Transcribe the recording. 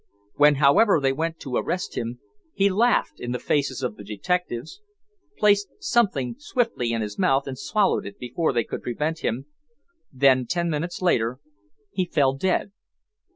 When, however, they went to arrest him, he laughed in the faces of the detectives, placed something swiftly in his mouth and swallowed it before they could prevent him then ten minutes later he fell dead.